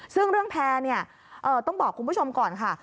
ซึ่งเรื่องแพร่ต้องบอกคุณผู้ชมก่อนค่ะ